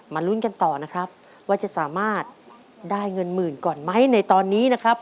ลุ้นกันต่อนะครับว่าจะสามารถได้เงินหมื่นก่อนไหมในตอนนี้นะครับ